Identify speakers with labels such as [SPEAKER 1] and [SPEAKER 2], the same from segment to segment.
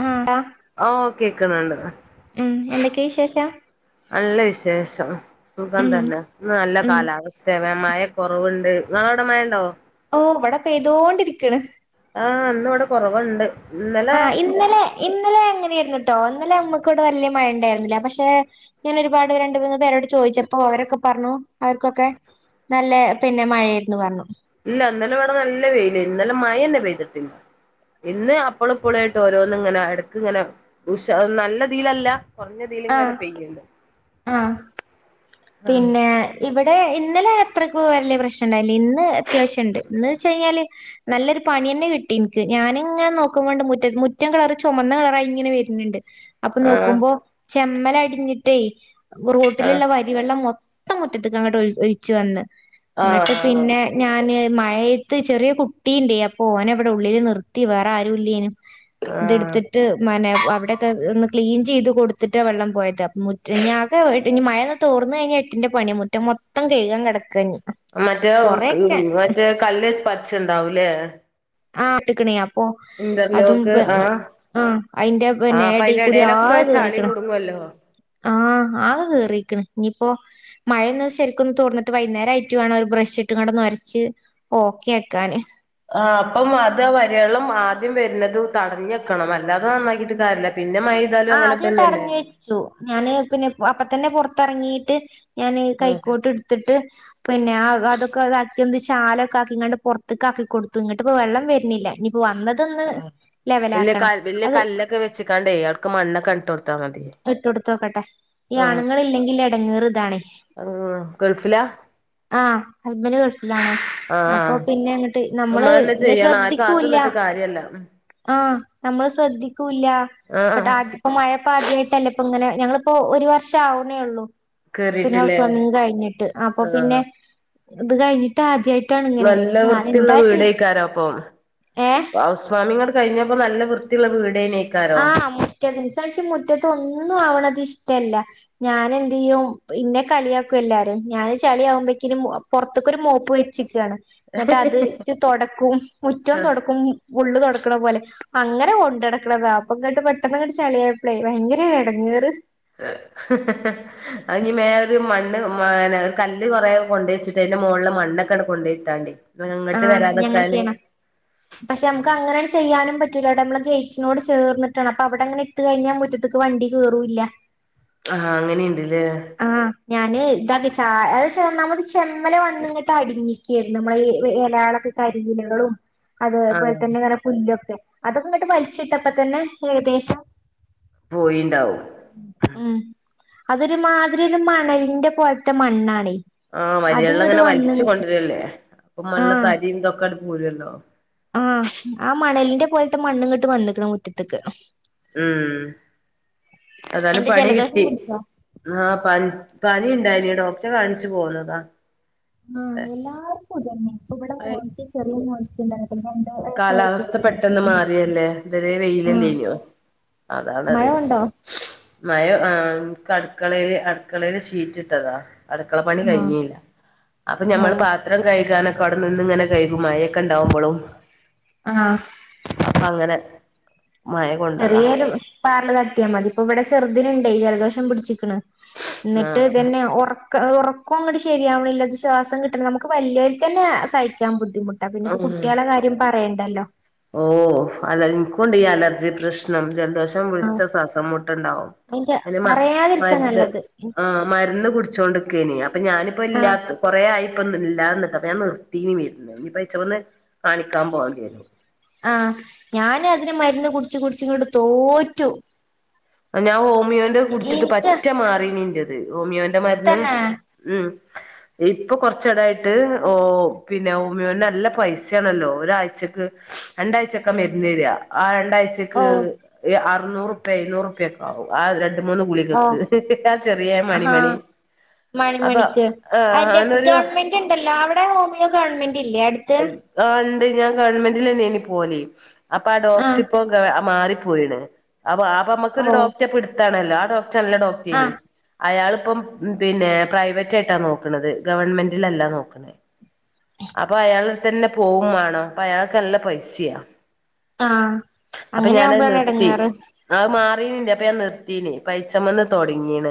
[SPEAKER 1] ഉം [unintelligible]
[SPEAKER 2] ഓ കേക്കണണ്ട്
[SPEAKER 1] ഉം എന്തൊക്കെയ വിശേഷം
[SPEAKER 2] നല്ല വിശേഷം സുഖം
[SPEAKER 1] ഉം
[SPEAKER 2] തന്നെ ഇന്ന് നല്ല
[SPEAKER 1] ഉം
[SPEAKER 2] കാലാവസ്ഥ മഴ കുറവുണ്ട് നിങ്ങളോവിടെ മഴ ഉണ്ടോ?
[SPEAKER 1] ഓ ഇവിടെ പെയ്തോണ്ടിരിക്കണ്
[SPEAKER 2] ആ ഇന്നും ഇവിടെ കുറവുണ്ട് ഇന്നലെ
[SPEAKER 1] ആ ഇന്നലെ ഇന്നലെ അങ്ങനെയ ഇന്നലെ നമ്മക്ക ഇവിടെ വലിയ മഴണ്ടായിരുന്നില്ല പക്ഷെ ഞാൻ ഒരുപാട് രണ്ട മൂന്ന് പേരോട് ചോദിച്ചപ്പോ അവരൊക്കെ പറഞ്ഞു അവർക്കൊക്കെ നല്ല- പിന്നെ മഴയന്ന് പറഞ്ഞു
[SPEAKER 2] ഇല്ല ഇന്നലെ ഇവിടെ നല്ല വെയില് ഇന്നലെ മഴ തന്നെ പെയ്തിട്ടില്ല ഇന്ന് അപ്പള ഇപ്പോളായിട്ട് ഓരോന്നും ഇങ്ങനെ ഇടക്ക് ഇങ്ങനെ ഉ നല്ലതീലല്ല കുറഞ്ഞതിലും ഇങ്ങ പെയ്യണ്ട്
[SPEAKER 1] ആഹ
[SPEAKER 2] ആഹ്
[SPEAKER 1] പിന്നെ ഇവിടെ- ഇന്നലെ എത്രക്ക വലിയ പ്രശ്നയുണ്ടായി ഇന്ന് അത്യാവശ്യം ഇണ്ട് ഇന്ന് വെച്ച കഴിഞ്ഞാല് നല്ലൊരു പണി തന്നെ കിട്ടി എനിക്ക് ഞാൻ ഇങ്ങനെ നോക്കുമ്പോണ്ട് മുറ്റ മുറ്റം കളറ് ചുമന്ന കളറായി ഇങ്ങനെ വര്ണിണ്ട്. അപ്പൊ നോക്കുമ്പോ
[SPEAKER 2] ആഹ്
[SPEAKER 1] ച കമ്മലടിഞ്ഞിട്ടേ റൂട്ടിലുള്ള വ മൊത്തം മുറ്റത്ത്ക്ക് അങ്ങോട്ട് ഒ ഒലിച്ചു വന്ന്. അങ്ങട്ട്
[SPEAKER 2] ആഹ്
[SPEAKER 1] പിന്നെ ഞാന് മഴയ് ചെറിയ കുട്ടിയുണ്ടേ അപ്പോ ഓനെവിടെ ഉള്ളിൽ നിർത്തി വേറെ ആരുും ഇല്ലേന്.
[SPEAKER 2] ആഹ്
[SPEAKER 1] ഇതെടുത്തിട്ട് മന അവിടെത്തെ ഒന്ന് ക്ലീൻ ചെയ്ത് കൊടുത്തിട്ടാ വെള്ളം പോയത് [unintelligible] ഇനി ആകെ ഇനി മഴ തോർന്നു കഴിഞ്ഞ എട്ടിൻന്റെ പണിയ മുറ്റം മൊത്തം കഴുകൻ കിടക്ക
[SPEAKER 2] മറ്റേ മറ്റേ കല്ല് പച്ച ണ്ടാവലേ
[SPEAKER 1] ആഹ് എട്ടക്കണിയ ഓ അതും
[SPEAKER 2] ആഹ്
[SPEAKER 1] ആഹ് അതിന്റെ
[SPEAKER 2] ആഹ് അപ്പൊ
[SPEAKER 1] നേട
[SPEAKER 2] അയിന്റെ
[SPEAKER 1] കൂടി
[SPEAKER 2] എടേലൊക്കെ
[SPEAKER 1] ആകെ
[SPEAKER 2] ചളി
[SPEAKER 1] കേറിക്കണ്
[SPEAKER 2] കുടുങ്ങുവല്ലോ
[SPEAKER 1] ആഹ് ആകെ കേറിക്കണ് ഇനി പ്പൊ മഴയൊന്ന് ശരിക്കും തോർന്നിട്ട് വൈകുന്നേരം ആയിട്ട് വേണം ഒരു ബ്രഷ ഇട്ടും [unintelligible] ഒന്നൊരച്ചു ഓക്കെ ആക്കാന്
[SPEAKER 2] ആ അപ്പം അത് വരവെള്ളം ആദ്യം വരുന്നത് തടഞ്ഞ വെക്കണം അല്ലാതെ നന്നാക്കീട്ട് കാര്യല്ല പിന്നെ മഴെയ്താലും
[SPEAKER 1] ആഹ്
[SPEAKER 2] അങ്ങനെ
[SPEAKER 1] അത്
[SPEAKER 2] തന്നെയല്ലേ
[SPEAKER 1] തടഞ്ഞ വെച്ചു ഞാന് പിന്നെ അപ്പ തന്നെ പുറത്തിറങ്ങിയിട്ട് ഞാൻ
[SPEAKER 2] ആഹ്
[SPEAKER 1] കൈക്കോട്ട് എടുത്തിട്ട് പിന്നെ അതൊക്കെ [unintelligible] ന്ത് ചാലം ഒക്ക ആക്കി ഇങ്ങാണ്ട് പുറത്തക്കാക്കക്കി കൊടൂത്തു ഇങ്ങിട്ട ഇപ്പൊ വെള്ളം വരണില്ല [unintelligible]
[SPEAKER 2] [inaudible] വല്യ ക വല്യ
[SPEAKER 1] അത്
[SPEAKER 2] കല്ലൊക്കെ വെച്ചക്കാണ്ട വൾക് മണ്ണൊക്കെ ഇട്ട് കൊടുത്താ മതി
[SPEAKER 1] ഇട്ട് കൊടുത്ത്നോക്കട്ടെ ഈ
[SPEAKER 2] ആഹ്
[SPEAKER 1] ആണുങ്ങൾ ഇല്ലെങ്കിൽ എടങ്ങേറതാണ്
[SPEAKER 2] ആഹ് ഗൾഫിലാ
[SPEAKER 1] ആഹ് ഹസ്ബൻഡ് ഗൾഫിലാണ് അപ്പൊ
[SPEAKER 2] ആഹ്
[SPEAKER 1] പിന്നെ അങ്ങോട്ട് നമ്മള്
[SPEAKER 2] നമ്മളന്നെ ചെയ്യണം ആരും കാത്ത്
[SPEAKER 1] ശ്രദ്ധിക്കൂല്ല
[SPEAKER 2] നിന്നിട്ട് കാര്യല്ല
[SPEAKER 1] ആഹ് നമ്മള് ശ്രദ്ധിക്കൂല്ല
[SPEAKER 2] ആഹ്
[SPEAKER 1] [unintelligible] മഴപ്പ ആദ്യ അങ്ങനെ ഞങ്ങളിപ്പോ ഒരു വർഷം ആവുന്നേ ഉള്ളൂ പിന്നെ ഹൗസ്
[SPEAKER 2] കേറിട്ടില്ലേ
[SPEAKER 1] വാമ്മിങ് കഴിഞ്ഞിട്ട് അപ്പൊ പിന്നെ
[SPEAKER 2] ആഹ്
[SPEAKER 1] ഇത് കയിഞ്ഞിട്ട് ആദ്യയി
[SPEAKER 2] നല്ല വൃത്തിയുള്ള വീടാരിക്കര പ്പം
[SPEAKER 1] ഏഹ്
[SPEAKER 2] ഹൗസ് വാമിങട് കയിഞ്ഞപ്പോ നല്ല വൃത്തിയുള്ള വീടേനി
[SPEAKER 1] ആഹ് മുറ്റത്ത് [unintelligible] മുറ്റത്ത് ഒന്നും ആവണത് ഇഷ് ട്ടല്ല ഞാൻ എന്തെയ്യും ഇന്നെ കളിയാക്കും എല്ലാരും ഞാന് ചളിമ്പോക്കിനും പൊറത്തേക്കൊരു മോപ്പ് വെച്ചിക്കയാണ് എന്നിട്ട് അത്ച്ച് തൊടക്കും മുറ്റോം
[SPEAKER 2] ആഹ്
[SPEAKER 1] തൊ ടക്കും ഉള്ള് തൊടക്കണ പോലെ അങ്ങനെ കൊണ്ട് നടക്കണതാ അപ്പം തൊട്ട് പെട്ടെന്ന് അങ്ങട്ട് ചളിയായപ്പളെ ഭയങ്കര ഇടങേറ്
[SPEAKER 2] അത്ഞ്ഞി മേലെ ഒരു മണ്ണ് ഒരു കല്ല് കൊറേ കൊണ്ട് വച്ചിട്ട് അതിന്റെ മുകളില് മണ്ണൊക്കൊണ് കൊണ്ടോയിട്ടാണ്ട്
[SPEAKER 1] ആ ഞങ്ങൾ ചെയ്യണ പക്ഷെ നമുക്ക് അങ്ങനെ ചെയ്യാനും പറ്റൂല അവിടെ നമ്മള് ച്ചിനോട് ചേർന്നിട്ടാണ് അപ്പൊ അവിടെ അങ്ങനെ ഇട്ട് കഴിഞ്ഞാൽ മുറ്റത്തക്ക് വണ്ടി കേറൂല്ല
[SPEAKER 2] ആ അങ്ങനെയുണ്ടല്ലേ
[SPEAKER 1] ആഹ് ഞാന് ഇതൊക്കെ ച അ നമത് ചെമ്മല വന്നിങ്ങിട്ട് അടിങ്ങിക്കയായിരുന്നു നമ്മളെ ഇലകളൊക്കെ കരിലകളും അതേപോലെ
[SPEAKER 2] ആഹ്
[SPEAKER 1] തന്നെ ഇങ്ങനെ പുല്ലൊക്കെ അതൊക്കെ ഇങ്ങോട്ട് വലിച്ചിട്ടപ്പ തന്നെ ഏകദേശം
[SPEAKER 2] പോയിണ്ടാവും
[SPEAKER 1] ആ അതൊരു മാതിരില്ല മണലിന്റെ പോലത്തെ മണ്ണാണ്
[SPEAKER 2] ആ മലയെള്ളം അങ്ങനെ വലിച്ചു കൊണ്ടുവരല്ലേ അപ്പൊ ഉള്ള തരി ഇന്തൊക്കെ [unintelligible] ഉണ്ടാവും
[SPEAKER 1] ആ ആ മണലിന്റെ പോലത്തെ മണ്ണ് ഇങ്ങട്ട് വത്തേക്കണ് മുറ്റത്തേക്ക്
[SPEAKER 2] ഉം ഏതായാലും
[SPEAKER 1] എന്താ
[SPEAKER 2] പണി
[SPEAKER 1] ജലദോഷം
[SPEAKER 2] കിട്ടി
[SPEAKER 1] പിടിച്ചോ
[SPEAKER 2] ആ പനി പനി ഉണ്ടായിന് ഡോക്ടറെ കാണിച്ചു പോന്നതാ
[SPEAKER 1] ആ എല്ലാർക്കും ഇത് തന്നെ ഇപ്പ ഇവിടെ ചെറിയ മോനും
[SPEAKER 2] കാലാവസ്ഥ പെട്ടെന്ന്
[SPEAKER 1] ജലദോഷം
[SPEAKER 2] മാറിയല്ലേ ഇതെരെ
[SPEAKER 1] ആ
[SPEAKER 2] വെയിലല്ലഞ്ഞു
[SPEAKER 1] മഴ
[SPEAKER 2] അതാണത്
[SPEAKER 1] ഉണ്ടോ
[SPEAKER 2] മയ ആ അടുക്കളേല് അടുക്കളയില് ഷീറ്റ് ഇട്ടതാ അടുക്കള പണി
[SPEAKER 1] ആ
[SPEAKER 2] കഴിഞ്ഞില്ല അപ്പൊ
[SPEAKER 1] ഔ
[SPEAKER 2] ഞമ്മൾ പാത്രം കഴിക്കാനൊക്കെ അവിടെ നിന്ന് ഇങ്ങനെ കൈകുംമായ ഒക്കെണ്ടാവുമ്പോളും
[SPEAKER 1] ആ
[SPEAKER 2] അപ്പൊ അങ്ങനെ മഴ കൊണ്ടതാ
[SPEAKER 1] ചെറിയൊരു ചാറല് തട്ടിയാമതി ഇപ്പൊവടെ ചെർതി [inaudible] ജലദോഷം പിടിച്ച് ക്ണ് പ്രന്നിട്ട്
[SPEAKER 2] ആഹ്
[SPEAKER 1] തന്നെ കാ ഒറകോങ്ങട്ട് ശരിയാവ്ണില്ല ശ്വാസം കിട്ടണ നമുക്ക് വലിയൊര്ക്കെന്നെ സയിക്കാൻ ബുദ് [unintelligible] മുട്ട പിന്നപ്പ
[SPEAKER 2] ഉം
[SPEAKER 1] കുട്ടെളെ കാര്യം പറയ ണ്ടല്ലോ
[SPEAKER 2] ഓ അതെ ഇന്ക്കുണ്ട് ഈ അലർജി പ്രശ്നം ജൽ [inaudible] വെശം
[SPEAKER 1] ആ
[SPEAKER 2] കുട്ച്ച സാസംമുട്ട്ണ്ടാവും
[SPEAKER 1] അതിന്റെ
[SPEAKER 2] അതിന്
[SPEAKER 1] പറയാതിരിക്കാ
[SPEAKER 2] മര്ന്ന്
[SPEAKER 1] നല്ലത്
[SPEAKER 2] ആ മര്ന്ന് കുടിച്ചൊണ്ട് ഗിനിയ പ്പൊ ഞാനിപൊ ഇല്ലാത് കൊറെ ആയി പ്പ ഇല്ലാന്നട്ട അപ്പ ഞാൻ നിർത്തിവിർന്ന ഇനിയിപ്പചോന്ന് കാണിക്കാൻ പൊണ്ടിവരും
[SPEAKER 1] അഹ് ഞാനതിന് മര്ന്ന് കുടിച് കുട്ച് ഇങ്ങട്ട് തോറ്റു
[SPEAKER 2] ഞാൻ ഹോമിയോന്റെ കുടിച്ചിട്ട്
[SPEAKER 1] എനിക്ക്
[SPEAKER 2] പറ്റ മാറിനിൻ്റത് ഹോമിയോന്റെ മര്ന്ന്
[SPEAKER 1] തന്നെ
[SPEAKER 2] ഉം ഇപ്പൊ കൊറച്ചടായിട്ട് ഓ പിന്നെ ഹോമിയോനല്ല പൈസേണല്ലോ ഒരാഴ്ചക്ക് രണ്ടാഴ്ചക്കെ മര്നേര ആ
[SPEAKER 1] ഓ
[SPEAKER 2] ണ്ടാഴ്ചക്ക് [unintelligible] നൂറുപയ് ഇരുനൂറു പ്യാകവും [unintelligible] മൂന്ന്
[SPEAKER 1] ഓ
[SPEAKER 2] ഗുളികക്ക് ആ ചെറിയെ
[SPEAKER 1] ഹാ
[SPEAKER 2] മണിമണി അപ്പൊ
[SPEAKER 1] മണിമണിക്ക്
[SPEAKER 2] ആ
[SPEAKER 1] അതിന്റെ
[SPEAKER 2] നൊരു
[SPEAKER 1] ഗവൺമെന്റ് ഉണ്ടല്ലോ അവിടെ ഹോമിയോ ഗവൺമെ ല്ലേ അട്ത്ത്
[SPEAKER 2] ആ ഉണ്ട് ഞാൻ ഗവൺമെന്റിലെന്നെയന്നി പോവലി അപ്പൊ ആ
[SPEAKER 1] ആഹ്
[SPEAKER 2] ഡോക്റ്റ് പ്പോ [unintelligible] മാറി പൊയിണ് അപ്പൊ അപ്പൊമ്മമക്കൊരു
[SPEAKER 1] ഓ
[SPEAKER 2] ഡോക്റ്റെ പിടുത്താണ ല്ലാഡോ റ്റ് നല്ല ഡോക്റ്റേനി
[SPEAKER 1] ആഹ്
[SPEAKER 2] അയാൾ പ്പം പിന്നെ പ്രൈവറ്റ് ആയിട്ടാ നോക്ണത് ഗവൺമെന്റിലല്ല നോക്ണ് പ്പൊ അയാളട്തെന്നെ പോവും മാണം ഇപ്പൊ അയാൾക്കല്ല പൈസ്യാ
[SPEAKER 1] ആഹ് അങ്ങനെവുമ്പഴാണ്
[SPEAKER 2] നിർത്തി
[SPEAKER 1] എടങ്ങേർ
[SPEAKER 2] [unintelligible] അപ്പൊ ഞാൻ നിർത്തീ നി ഇപയ്ച്ചമ്മന്ന് തോടങ്ങീണ്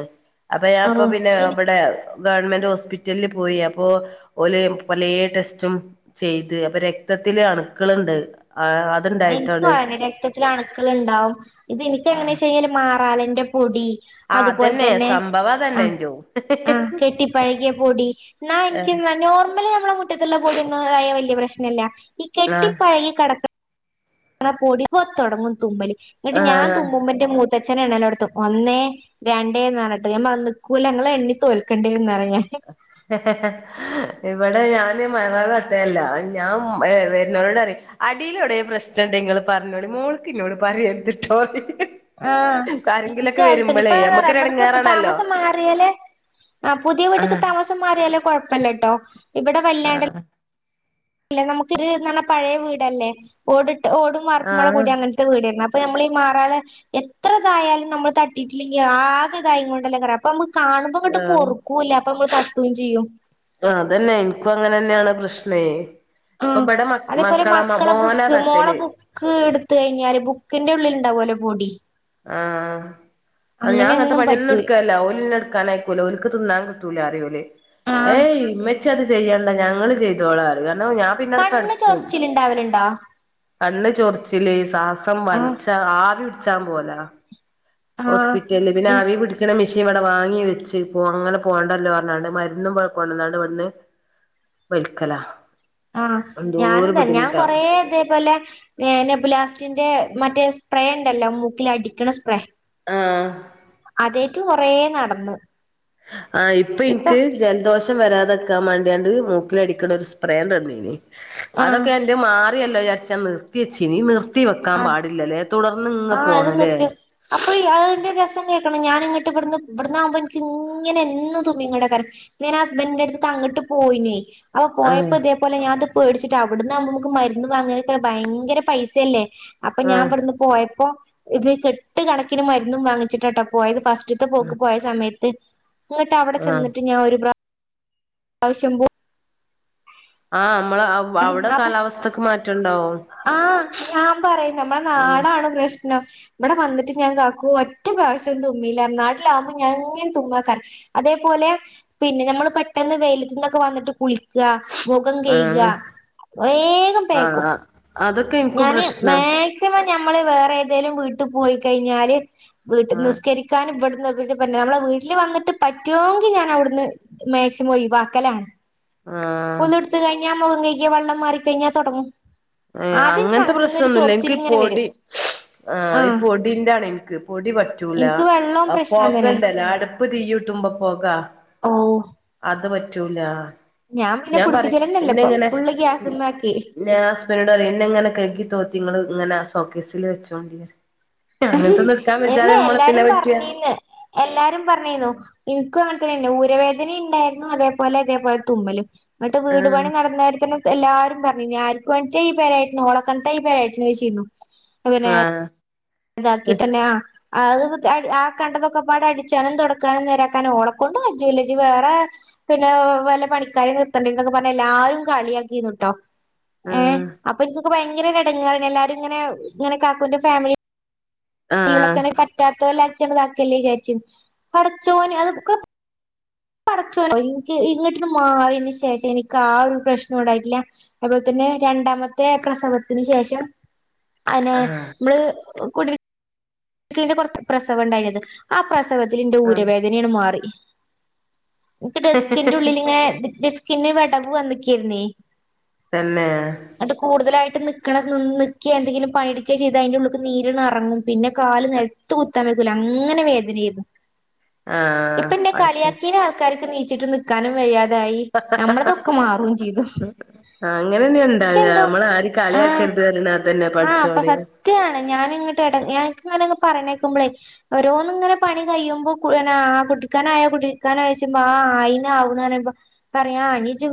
[SPEAKER 2] അപ്പൊ
[SPEAKER 1] ഓ
[SPEAKER 2] ഞാപ്പൊ പിന്നെ
[SPEAKER 1] എനി
[SPEAKER 2] ഇബിടെ ഗവൺമെന്റ് ഹോസ്പിറ്റലിൽ പോയി അപ്പോ ഓല് പലേ ടെസ് [unintelligible] ചെയ്ത് അപ്പൊ രക്തത്തിൽ അണ്ക്കള്ണ്ട്
[SPEAKER 1] എനിക്കും അന്നെ രക്തത്തിൽ അണ്ക്കൾ ണ്ടാവും ഇത്
[SPEAKER 2] ആ
[SPEAKER 1] ഇനിക്കങ്ങനെ ച്ചാല് മാ പാലന്റെ പൊടി
[SPEAKER 2] ആ
[SPEAKER 1] അതുപോലെ
[SPEAKER 2] അതന്നെ
[SPEAKER 1] തന്നെ
[SPEAKER 2] സംഭവം
[SPEAKER 1] ആ
[SPEAKER 2] അതന്നെ ഇന്റോം
[SPEAKER 1] ആ കെട്ടിപ്പഴകിയ പൊടി ന്നാ ൻക്ക് നോർമല് നമ്മള മുറ്റത്ത്ള്ള പൊടി ഒന്നും ആയ വല്ല്യ പ്രശ്ന നല്ല ഈ
[SPEAKER 2] ആഹ്
[SPEAKER 1] കെട്ടിപ്പഴകി കടക്ക പൊടിപ്പത്തൊടങ്ങും തുമ്മല് ന്നിട്ട് ഞാൻ
[SPEAKER 2] ആഹ്
[SPEAKER 1] തുമ്മുമ്പ എന്റെ മൂത്ത ച്ചൻ എണ്ണലോടുത്തും ഒന്നേ രണ്ടേന്ന് പറഞ്ഞിട്ട് ഞാൻ വന്നക്കൂല ഞങ്ങള് എണ്ണി തോൽക്കണ്ടി വരും എന്ന് പറഞ്ഞിട്ട്
[SPEAKER 2] ഇവിടെ ഞാന് മഴ വെള്ളം തട്ടേല്ല ഞാൻ ഉം ഏ വെരുന്നോരോടറിം അടിലോടെ പ്രശ്നണ്ടെങ്ങള് പറഞ്ഞോളി മോള്ക്ക് ഇന്നോട് പറയര്ത്ട്ടോന്ന്
[SPEAKER 1] ആഹ് എനിക്കാദ്യതന്നെ [unintelligible]
[SPEAKER 2] നമ്മക്കൊരു
[SPEAKER 1] എവിട്ക്ക്
[SPEAKER 2] എടങ്ങേറാണല്ലോ
[SPEAKER 1] താമസം മാറിയേലെ ആ പുതിയ വീട്ടിക്ക്
[SPEAKER 2] ആഹ്
[SPEAKER 1] താമ സം മാറിയാലേ കൊഴപ്പല്ലട്ടോ ഇവിടെ വല്ലാണ്ട
[SPEAKER 2] ആഹ്
[SPEAKER 1] ല്ല നമുക്കിത് നമ്മ പഴേ വീടല്ലേ ഓട് ഓടും വാർപ്പുമ്പാടെ
[SPEAKER 2] ആഹ്
[SPEAKER 1] കൂടിയാ അങ്ങനത്തെ വീടെർന്ന് അ അപ്പ നമ്മളീമാറാല എത്രതായാലും നമ്മള് തട്ടിയിട്ടില്ലെങ്കി ആകെതായി കൊണ്ടല്ലേക്കാരം [unintelligible] കാണുമ്പങ്ങട്ട് പൊറുക്കൂല്ല അപ്പൊ മ്മള് തട്ടും ചെയ്യും
[SPEAKER 2] ആ അതന്നെ ഇൻക്കും അങ്ങനെന്നേണ് പ്രശ്ണെ
[SPEAKER 1] ആ അതേപോലെ മക്കളെ ബുക്ക് മോളെ
[SPEAKER 2] തട്ടല്
[SPEAKER 1] ബുക്ക് എടുത്ത് കഴിഞ്ഞാല് ബുക്കിന്റെ ഉള്ളില് ഉണ്ടാവോല്ലോ മുടി
[SPEAKER 2] ആ അ ഞാ അങ്ങൻത്തെ
[SPEAKER 1] പറ്റൂല
[SPEAKER 2] പണിയന്നുട്ക്കല്ല ഓലിന്നെ ഇട്ക്കാനയിക്കൂല്ല ഓൽക്ക് തിന്നാൻ ലാറിം ഓല്.
[SPEAKER 1] ആഹ്
[SPEAKER 2] ഏയ് മ്മച്ചിഅത് ചെയ്യ ണ്ട ഞങ്ങള് ചെയ്തോളാറിം. ഞാൻ പിന്നാ ട്
[SPEAKER 1] കണ്ണ്
[SPEAKER 2] കട്ക്കും.
[SPEAKER 1] ചൊറിച്ചിലുണ്ടാവലുണ്ടോ
[SPEAKER 2] കണ്ണ് ചൊറിച്ചില് സാസം
[SPEAKER 1] ആഹ്
[SPEAKER 2] വൽച്ച ആവി ച്ചം. പോലാ.
[SPEAKER 1] ആഹ്
[SPEAKER 2] ഹോസ്പിറ്റല്ല് പിന്നെ ആവി
[SPEAKER 1] എനിക്ക്
[SPEAKER 2] പിടിക്ക് ണ മിഷി ൻ വടെ വാങ്ങി വെച്ച് പോ അങ്ങനെ പോണ്ടല്ലോ പർഞ്ഞാണ്ട് മരുന്നും വ്ട കൊണ്ടന്നാണ്ട് വെന്ന് വൽക്കലാ.
[SPEAKER 1] ആഹ ഞാനും ത ഞാനും കൊറെ ഇതേപോലെ നെബുലാസ്റ്റിന്റെ മറ്റേ സ്പ്രേണ്ടല്ലോ മൂക്കില് അടിക്ക്ണ സ്പ്രേ
[SPEAKER 2] ആ
[SPEAKER 1] ട്ട് കൊറേ നടന്ന്.
[SPEAKER 2] ആഹ് ഇപ്പ ഇൻക്
[SPEAKER 1] ഇപ്പൊ
[SPEAKER 2] ജൽദോഷ ശം വരാതെക്കാൻ മാണ്ട്യണ്ട് മൂക്കില് അടിക്ക്ണ ഒരു സ്പ്രേ തന്നീനി. അതൊക്കെ
[SPEAKER 1] ആഹ്
[SPEAKER 2] എന്റെ മാ ല്ലോ വിചരിച്ച നിർത്തിയച്ച നീ നിർ നിർത്തി വെക്കാൻ പാടില്ലല്ലേ തുടർന്ന് ഇങ്ങ
[SPEAKER 1] ആഅത്
[SPEAKER 2] പോണല്ലേ
[SPEAKER 1] നിർത്യം അപ്പൊ അതിന്റെ രസം കേക്കണോ ഞാനങ്ങട്ട് ഇവിടുന്ന് ഇവിടന്ന്ന്നാവുമ്പോ എനിക്ക് ഇങ്ങനെ എന്നും തുമ്മീകൊണ്ടാകരം ഇന്ന് ഹസ്ബന്റിന്റെടുത്തോക്ക് അങ്ങോട്ട് പോയിനേ ആ
[SPEAKER 2] ആഹ്
[SPEAKER 1] പോയപ്പോ ഇതേപോലെ ഞാത് പേടിച്ചിട്ട് അവിടുന്നമ്മുക്ക് മരുന്ന് വാങ്ങക്കെ ഭയങ്കര പൈസയല്ലേ അപ്പൊ ഞാൻ
[SPEAKER 2] ആഹ്
[SPEAKER 1] ഇവിടെന്ന് പോയ അപ്പോ ഇത് കേട്ട് കണക്കിന് മരുന്നും വാങ്ങിച്ചിട്ടട്ടോപ്പോയത് ഫസ് ഫസ്റ്റ്ത്തെ പോക്ക് പോയ സമയത്ത് ഇങ്ങട്ട് അവിടെ
[SPEAKER 2] ആഹ്
[SPEAKER 1] ചെന്നിട്ട് ഞാൻ ഒര് ബ്രാ പ്രാശംബൂ
[SPEAKER 2] ആഹ് നമ്മള് അവിടെ
[SPEAKER 1] അപ്പൊ
[SPEAKER 2] കാലാവസ്ഥക്ക് മാറ്റണ്ടാവും
[SPEAKER 1] ആഹ് ഞാൻ പറയും നമ്മുടെ
[SPEAKER 2] ഉം
[SPEAKER 1] നാടാണ് പ്രഷ് നാ ഇവിടെ വന്നിട്ട് ഞാൻ കാക്കൂ ഒറ്റ പ്രാവശ്യം തുമ്മീല്ലായിരുന്നു. നാട്ടിലാകുമ്പോ ഞാൻ ഇങ്ങനെ തുമ്മക്കാൻ അതേപോലെ പിന്നെ നമ്മള് പെട്ടെന്ന് വെയിലത്തു നിന്നൊക്കെ വന്നിട്ട് കുളിക്ക മുഖം കഴുകുക
[SPEAKER 2] ആഹ്
[SPEAKER 1] വേഗം പേക്കും.
[SPEAKER 2] ആഹ് അതൊക്കെ ഇൻക്കും
[SPEAKER 1] ഞാന്
[SPEAKER 2] പ്രശ്നാ
[SPEAKER 1] മാക്സിമം ഞമ്മള് വേറെ ഏതേലും വീട്ടി പോയി കഴിഞ്ഞാല് വീട്ടിൽ
[SPEAKER 2] ആഹ്
[SPEAKER 1] നിസ്കരിക്കാൻ ഇവിട നമ്മളെ വീട്ടിൽ വന്നിട്ട് പറ്റുമോെങ്കിൽ ഞാൻ അവിടുന്ന് മാക്സിമം ഒഴിവാക്കലാണ്.
[SPEAKER 2] ആഹ്
[SPEAKER 1] ഒതു കോടുത്ത് കഴിഞ്ഞാ മുഖം വെള്ളം മാറി കഴിഞ്ഞാൽ തുടങ്ങും.
[SPEAKER 2] ഏഹ്
[SPEAKER 1] ആദ്യം
[SPEAKER 2] അങ്ങനത്തെ
[SPEAKER 1] ചങ്കന്നൊരു
[SPEAKER 2] പ്രശ്നമൊന്നുമില്ല എനിക്ക് ഈ
[SPEAKER 1] ചൊറിച്ചിലിങ്ങനെ വരും
[SPEAKER 2] പൊടി ആഹ് ഈ പൊടിന്റെ ആണ് എനിക്ക്പൊടി പറ്റൂല
[SPEAKER 1] എനിക്ക് വെള്ളവും പ്രശ്നം
[SPEAKER 2] പൊക
[SPEAKER 1] തന്നെയാണ്
[SPEAKER 2] ഉണ്ടല്ലോ അടുപ്പ് തീ ഇട്ടുമ്പ പൊക
[SPEAKER 1] ഓ
[SPEAKER 2] അത് പറ്റൂല.
[SPEAKER 1] ഞാൻ പിന്നെ
[SPEAKER 2] പറയും
[SPEAKER 1] പുടിപ്പിച്ചലന്നല്ലപ്പൊ
[SPEAKER 2] എന്നെങ്ങനെ
[SPEAKER 1] ഫുള്ള് ഗ്യാസിന്നാക്കി.
[SPEAKER 2] എന്നെ ഇങ്ങനെ കഴകി തോത്തി നിങ്ങള് ഇങ്ങനെ സോക്കേസിൽ വെച്ചേണ്ടി
[SPEAKER 1] എന്നെ എല്ലാരും
[SPEAKER 2] പറ്റാ
[SPEAKER 1] പറഞ്ഞീന്ന് എല്ലാരും പറഞ്ഞീന്നു ഇൻക്കും അങ്ങൻതേന്നെ തലവേദന ഉണ്ടായിരുന്നു അതേപോലെ അതേപോലെ തുമ്മലും. എന്നിട്ട് വീട് പണി
[SPEAKER 2] ആഹ്
[SPEAKER 1] നടന്നരത്തി എല്ലാരും പറഞ്ഞായിരുന്നു ആർക്കു വേണ്ടിട്ട ഈ പേര ഒലെ [unintelligible]
[SPEAKER 2] ആ
[SPEAKER 1] അതാക്കിട്ടന്നെയാ അത് നോക്ക് ആ കണ്ടതൊക്കെ പടേ അടിച്ചാനും തൊടക്കാനും നേരാക്കാനും ഓള ക്കൊണ്ട് കജ്ജുല്ലജി വേറെ പിന്നെ വല്ല പണിക്കാരും നിർത്തണ്ടി എന്നൊക്കെ പറഞ്ഞാ എല്ലാരും കളിയാക്കിന്നുട്ടോ ഏ
[SPEAKER 2] ആഹ്
[SPEAKER 1] അപ്പൊ എനി- പ്പൊ ഭയങ്കരൊരെടെങ്ങാറാണ് എല്ലാരുങ്ങനെ ങ്ങനെ കാക്കൂന്റെ ഫാമിലി
[SPEAKER 2] ആഹ്
[SPEAKER 1] [unintelligible] പറ്റാത്തോലാ താക്കല്ലേ വിചാരിച്ചു പടച്ചോന് അത്ക്കെ പടച്ചോനേ എനിക്ക് ഇങ്ങോട്ടി് മാറന് ശേഷം എനിക്ക് ആ ഒരു പ്രശ്നം ഉണ്ടായിട്ടില്ല അതുപോലെ തന്നെ രണ്ടാമത്തെ പ്രസവത്തിന് ശേഷം അനെ
[SPEAKER 2] ആഹ്
[SPEAKER 1] നമ്മള് ഓ കുടി കുടിൽക്കലിന്റെ കുറച്ച് പ്രസവം പ്രസവം ഉണ്ടായിഇനിഅത് ആ പ്രസവം പ്രസവത്തിൽ എന്റെ
[SPEAKER 2] ആഹ്
[SPEAKER 1] ഊരവേദനയാണ് മാറി ഇനിക്ക് ഡെസ്കിന്റെ ഉള്ളിൽ ഇങ്ങനെ കന്നെ വിടവ് വന്നിക്കിരണ
[SPEAKER 2] തന്നെ
[SPEAKER 1] ആ നക്കണം നി നിക്കി എന്തെങ്കിലും പണിയെക്കുക ചെയ്ത്തിന്റെറെ ഉള്ളിൽ നീരി ഇറങ്ങും പിന്നെ കാല് നിലത്ത് കുത്താൻ വക്കൂല അങ്ങനെ വേദനയാ- ഇപ്പൊ
[SPEAKER 2] ആഹ്
[SPEAKER 1] എന്റെ
[SPEAKER 2] പടച്ചോൻ
[SPEAKER 1] കളിയാക്കീനെ ആൾക്കാർ- നീച്ച്ട്ട് നിൽക്കാനും വയ്യതെ നമ്മളതൊക്കെ മാറും ചെയ്തു
[SPEAKER 2] ആ അങ്ങനെന്നെ ഉണ്ടാക
[SPEAKER 1] എനിക്കെന്തോ
[SPEAKER 2] നമ്മള് ആരും
[SPEAKER 1] ആ
[SPEAKER 2] കളിയാക്കരുത് പറയണ അതന്നെ
[SPEAKER 1] ആ അപ്പൊ
[SPEAKER 2] പഠച്ചോന്
[SPEAKER 1] സത്യാണ് ഞാന് ഇങ്ങോട്ട് ഇട ഞാൻ ങ്ങനെ പറയണേക്കുമ്പോൾ ഓരോന്നന്ന് ഇങ്ങനെണി കഴിയുമ്പോ കുട്ടിക്കണായ [unintelligible] കുടിൽക്കാൻ ആയോചെയ്ച്ചുമ്പോ ആ ആ യിന്ന് ആകുന്ന് പറുമ്പ പറയാ അ ഇജ്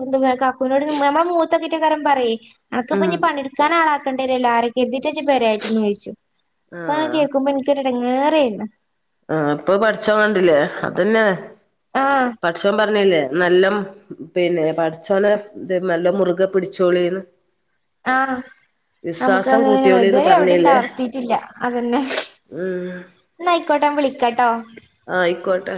[SPEAKER 1] കക്കുവിനോട് നമ്മുടെ മോത്ത് നോക്കിയിട്ട് പറയേ [unintelligible] അനക്കിപ്പഞ്
[SPEAKER 2] ആഹ്
[SPEAKER 1] പണിടുക്കാനാള- ണ്ടേല്ലോ ആരൊ ക്കെരിത്തിട്ട് പേര കാ യിട്ട്ന്ന് ചോദിച്ചു അപ്പൊ അത് കേൾക്കുമ്പോ എനിക് ഇടങ്ങേറ് ആയിരിന്നു
[SPEAKER 2] ആ ഇപ്പൊ പഠിച്ച കണ്ടില്ലേ അത്ന്നെയ
[SPEAKER 1] ആഹ്
[SPEAKER 2] പടച്ചോൻ പറഞ്ഞില്ലേ നല്ല പിന്നെ പടിച്ചോനെ നല്ല മുറുക പിടിച്ചോളിന്ന്
[SPEAKER 1] ആ നമുക്ക്
[SPEAKER 2] വിശ്വാസം
[SPEAKER 1] വെറുതെ
[SPEAKER 2] കൂട്ടിയോളിന്ന്
[SPEAKER 1] യവിടെ
[SPEAKER 2] പറഞ്ഞില്ലേ
[SPEAKER 1] തളർത്തിട്ടില്ല അതന്നെ ഇന്നാ ആയ്ക ആിക്കോട്ടാ വിളിക്കാട്ടോ
[SPEAKER 2] ആ ആയിക്കോട്ടെ